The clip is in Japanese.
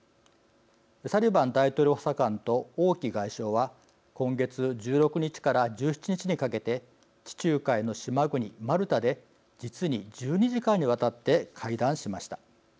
サリバン大統領補佐官と王毅外相は今月１６日から１７日にかけて地中海の島国、マルタで実に１２時間にわたって会談しました。